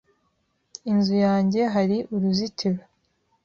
Inzu yanjye hari uruzitiro.